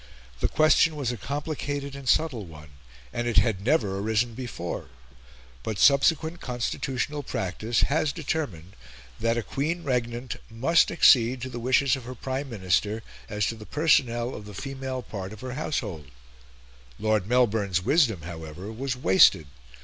The question was a complicated and subtle one, and it had never arisen before; but subsequent constitutional practice has determined that a Queen Regnant must accede to the wishes of her Prime Minister as to the personnel of the female part of her Household. Lord Melbourne's wisdom, however, was wasted.